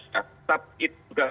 tetap itu juga